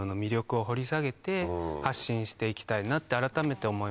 発信していきたいなって改めて思いました。